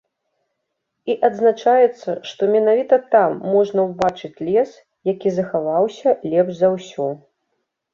І адзначаецца, што менавіта там можна ўбачыць лес, які захаваўся лепш за ўсё.